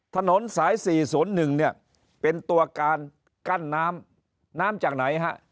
ถนนสาย๔๐๑เนี่ยเป็นตัวการกั้นน้ำน้ำจากไหนฮะ